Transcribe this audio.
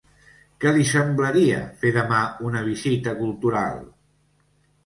Què li semblaria fer demà una visita cultural?